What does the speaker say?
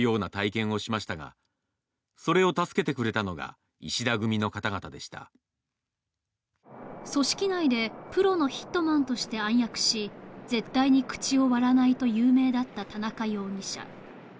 暴力団組員になったわけについて組織内でプロのヒットマンとして暗躍し絶対に口を割らないと有名だった田中容疑者。